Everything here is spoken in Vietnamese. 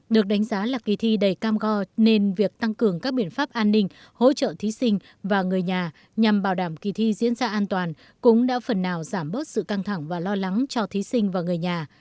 được đánh giá là kỳ thi đầy cam go nên việc tăng cường các biện pháp an ninh hỗ trợ thí sinh và người nhà nhằm bảo đảm kỳ thi diễn ra an toàn cũng đã phần nào giảm bớt sự căng thẳng và lo lắng cho thí sinh và người nhà